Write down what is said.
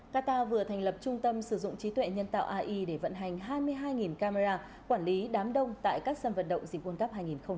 qatar vừa thành lập trung tâm sử dụng trí tuệ nhân tạo ai để vận hành hai mươi hai camera quản lý đám đông tại các sân vận động dịch quân cấp hai nghìn hai mươi